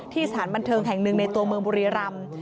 สถานบันเทิงแห่งหนึ่งในตัวเมืองบุรีรำ